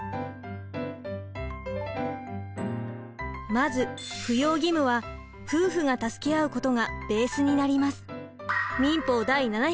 まず扶養義務は夫婦が助け合うことがベースになります。